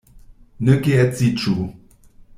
Ne geedziĝu.